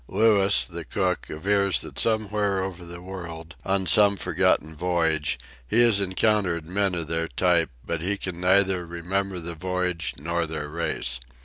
Louis, the cook, avers that somewhere over the world, on some forgotten voyage, he has encountered men of their type; but he can neither remember the voyage nor their race.